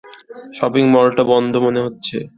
শপিংমলটা বন্ধ মনে হচ্ছে।